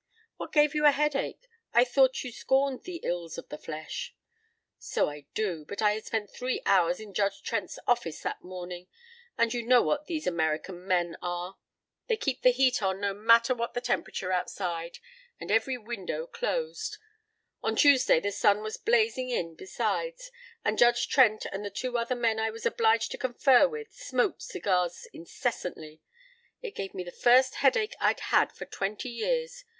What gave you a headache? I thought you scorned the ills of the flesh." "So I do, but I had spent three hours in Judge Trent's office that morning, and you know what these American men are. They keep the heat on no matter what the temperature outside, and every window closed. On Tuesday the sun was blazing in besides, and Judge Trent and the two other men I was obliged to confer with smoked cigars incessantly. It gave me the first headache I'd had for twenty years.